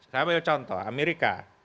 saya ambil contoh amerika